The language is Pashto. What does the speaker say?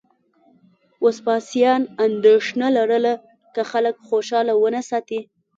وسپاسیان اندېښنه لرله که خلک خوشاله ونه ساتي